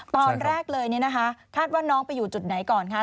ตอนแรกเลยเนี่ยนะคะคาดว่าน้องไปอยู่จุดไหนก่อนคะ